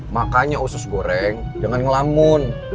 makanya usus goreng jangan ngelamun